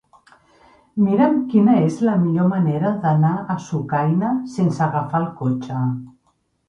Mira'm quina és la millor manera d'anar a Sucaina sense agafar el cotxe.